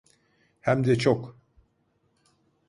Hem de çok.